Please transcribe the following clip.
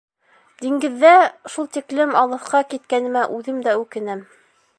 Диңгеҙҙә шул тиклем алыҫҡа киткәнемә үҙем дә үкенәм.